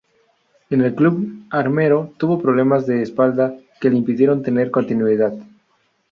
En el club armero tuvo problemas de espalda que le impidieron tener continuidad.